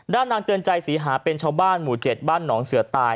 นางเตือนใจศรีหาเป็นชาวบ้านหมู่๗บ้านหนองเสือตาย